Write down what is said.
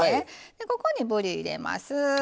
ここにぶり入れます。